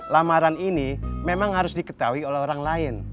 lamaran ini memang harus diketahui oleh orang lain